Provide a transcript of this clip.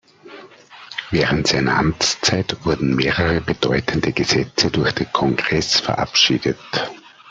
Während seiner Amtszeit wurden mehrere bedeutende Gesetze durch den Kongress verabschiedet.